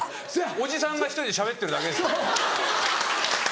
おじさんが１人でしゃべってるだけ。